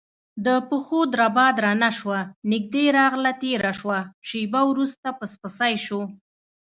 د پښو دربا درنه شوه نږدې راغله تیره شوه شېبه وروسته پسپسی شو،